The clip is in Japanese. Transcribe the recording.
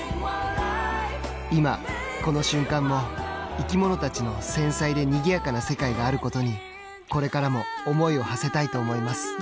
今、この瞬間も生き物たちの、繊細でにぎやかな世界があることにこれからも思いをはせたいと思います。